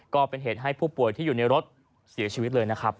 ก็เป็นเหตุให้ผู้ป่วยที่อยู่ในรถเสียชีวิตเลยนะครับ